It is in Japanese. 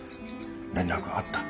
連絡あった？